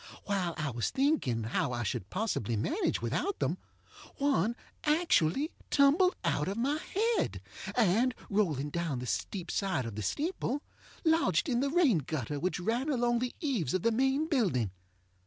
While I was thinking how I should possibly manage without them, one actually tumbled out of my head, and, rolling down the steep side of the steeple, lodged in the rain gutter which ran along the eaves of the main building.